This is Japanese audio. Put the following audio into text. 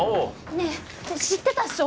ねえ知ってたっしょ？